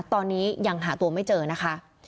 ตอนนี้ยังหาตัวไม่เจอนะคะ